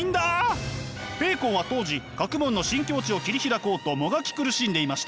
ベーコンは当時学問の新境地を切り開こうともがき苦しんでいました。